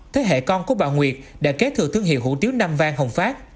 thế hệ con của bà nguyệt đã kế thừa thương hiệu hủ tiếu nam vang hồng phát